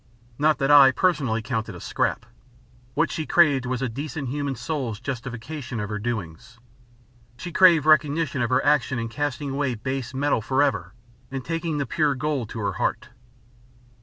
Not that I, personally, counted a scrap. What she craved was a decent human soul's justification of her doings. She craved recognition of her action in casting away base metal forever and taking the pure gold to her heart.